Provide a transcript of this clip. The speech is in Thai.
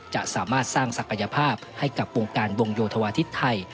จะสามารถสร้างศักยภาพให้กับวงการวงโยธวาทิศไทย